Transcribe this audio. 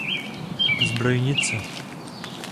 Zbrojnice.